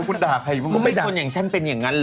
คุณด่าใครบ้างเหมือนคนอย่างฉันเป็นอย่างงั้นเหรอ